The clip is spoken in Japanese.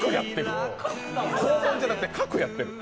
黄門じゃなくて、格やってる！